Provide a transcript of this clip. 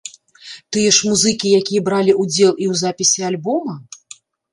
Тыя ж музыкі, якія бралі ўдзел і ў запісе альбома?